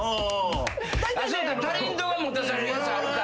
そっかタレントが持たされるやつあるか。